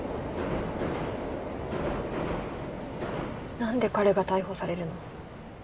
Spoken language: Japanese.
なんで彼が逮捕されるの？